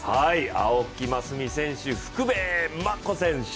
青木益未選手、福部真子選手。